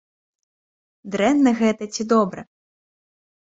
Дрэнна гэта ці добра?